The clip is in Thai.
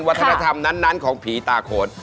วัฒนธรรมนั้นของผีตาโขน